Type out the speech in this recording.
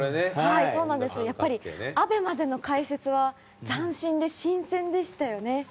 やっぱりＡＢＥＭＡでの解説は斬新で新鮮でしたよね。